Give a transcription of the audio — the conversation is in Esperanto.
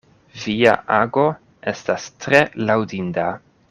Via ago estas tre laŭdinda.